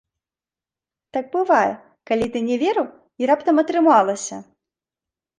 Так бывае, калі ты не верыў, а раптам атрымалася!